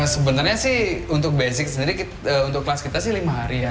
sebenarnya sih untuk basic sendiri untuk kelas kita sih lima hari ya